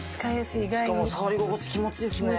しかも触り心地気持ちいいっすねこれ。